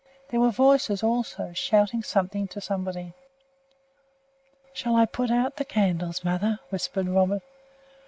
There were voices also, shouting something to somebody. "Shall I put out the candles, mother?" whispered Robert.